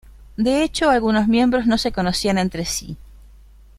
De hecho, algunos miembros no se conocían entre sí.